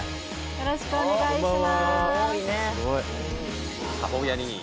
よろしくお願いします